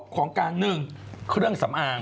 ของกลาง๑เครื่องสำอาง